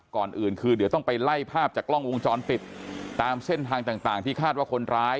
ก่อนอื่นคือเดี๋ยวต้องไปไล่ภาพจากกล้องวงจรปิดตามเส้นทางต่างที่คาดว่าคนร้าย